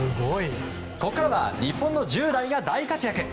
ここからは日本の１０代が大活躍。